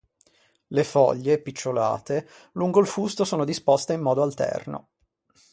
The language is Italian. Le foglie, picciolate, lungo il fusto sono disposte in modo alterno.